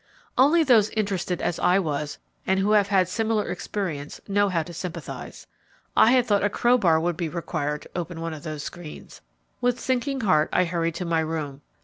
Only those interested as I was, and who have had similar experience, know how to sympathize. I had thought a crowbar would be required to open one of those screens! With sinking heart I hurried to my room.